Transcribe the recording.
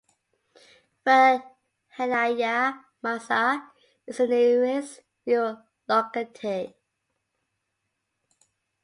Verkhnyaya Maza is the nearest rural locality.